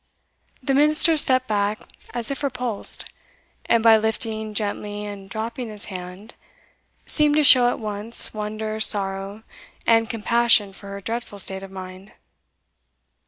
The minister stepped back as if repulsed, and, by lifting gently and dropping his hand, seemed to show at once wonder, sorrow, and compassion for her dreadful state of mind.